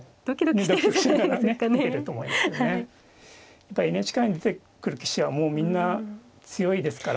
やっぱりＮＨＫ杯に出てくる棋士はもうみんな強いですから。